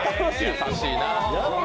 優しいなあ。